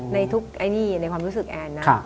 ในทุกไอ้นี่ในความรู้สึกแอนนะ